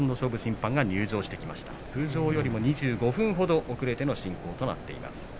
通常よりも２５分ほど遅れての進行となっています。